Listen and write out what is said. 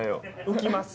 浮きます。